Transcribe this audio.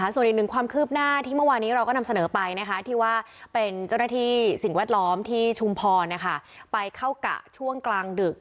ส่วนอีกหนึ่งความคืบหน้าที่เมื่อวานี้เราก็นำเสนอไปที่ว่าเป็นเจ้าหน้าที่สิ่งแวดล้อมที่ชุมพรไปเข้ากะช่วงกลางดึก